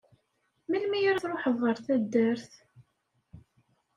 Melmi ara truḥeḍ ɣer taddart?